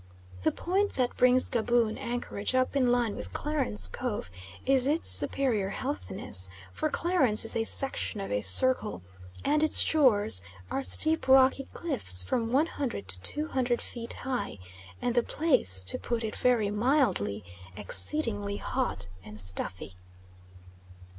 The point that brings Gaboon anchorage up in line with Clarence Cove is its superior healthiness; for Clarence is a section of a circle, and its shores are steep rocky cliffs from 100 to 200 feet high, and the place, to put it very mildly, exceedingly hot and stuffy.